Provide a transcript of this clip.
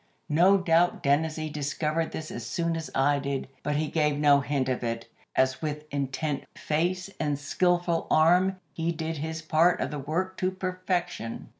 No doubt Dennazee discovered this as soon as I did, but he gave no hint of it, as with intent face and skilful arm he did his part of the work to perfection.